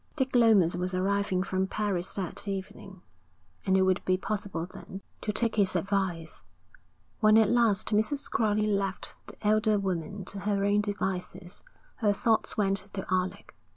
Dick Lomas was arriving from Paris that evening, and it would be possible then to take his advice. When at last Mrs. Crowley left the elder woman to her own devices, her thoughts went to Alec.